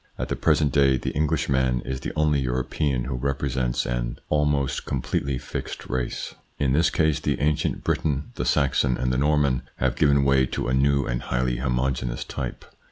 At the present day the Englishman is the only European who represents an 58 THE PSYCHOLOGY OF PEOPLES: almost completely fixed race. In his case the ancient Briton, the Saxon, and the Norman have given way to a new and highly homogeneous type.